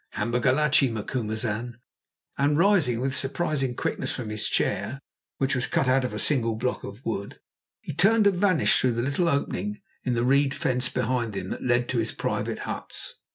Hamba gachlé, Macumazahn," and, rising with surprising quickness from his chair, which was cut out of a single block of wood, he turned and vanished through the little opening in the reed fence behind him that led to his private huts.